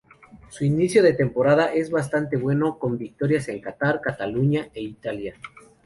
Su inicio de temporada es bastante bueno con victorias en Qatar, Cataluña e Italia.